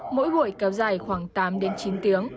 mỗi buổi kéo dài khoảng tám đến chín tiếng